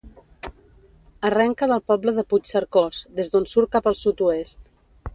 Arrenca del poble de Puigcercós, des d'on surt cap al sud-oest.